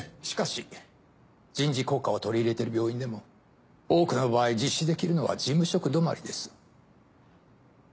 しかし人事考課を取り入れている病院でも多くの場合実施できるのは事務職止まりです。